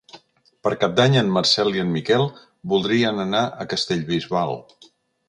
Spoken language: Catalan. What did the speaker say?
Per Cap d'Any en Marcel i en Miquel voldrien anar a Castellbisbal.